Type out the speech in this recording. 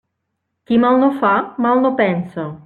Qui mal no fa, mal no pensa.